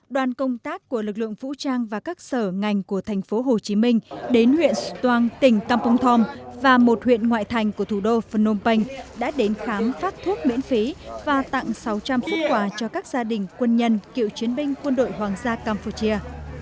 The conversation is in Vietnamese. đoàn công tác của lực lượng vũ trang và các sở ngành của tp hcm đến huyện xuân toan tỉnh campuchia và một huyện ngoại thành của thủ đô phnom penh đã đến khám phát thuốc miễn phí và tặng sáu trăm linh phút quà cho các gia đình quân nhân cựu chiến binh quân đội hoàng gia campuchia